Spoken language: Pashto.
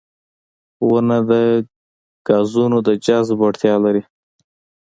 • ونه د ګازونو د جذب وړتیا لري.